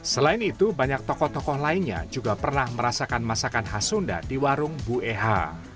selain itu banyak tokoh tokoh lainnya juga pernah merasakan masakan khas sunda di warung bu eha